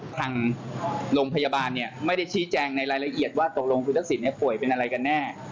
ทางโรงพยาบาลเนี่ยไม่ได้ชี้แจงในรายละเอียดว่าตกลงคุณทักษิณป่วยเป็นอะไรกันแน่